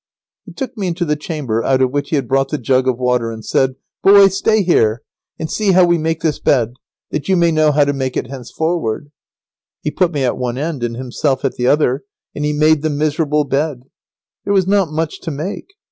He took me into the chamber out of which he had brought the jug of water, and said, "Boy, stay here, and see how we make this bed, that you may know how to make it henceforward." He put me at one end and himself at the other, and he made the miserable bed. There was not much to make.